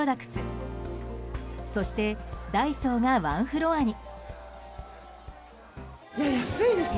そして、ダイソーが１フロアに。